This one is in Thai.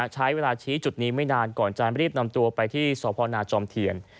ใช้เวลาชี้จุดนี้ไม่นานก่อนจะรีบนำตัวไปที่สพนาจอมเทียน